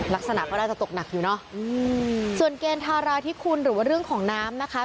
ลักษณะก็น่าจะตกหนักอยู่เนอะส่วนเกณฑ์ธาราธิคุณหรือว่าเรื่องของน้ำนะคะ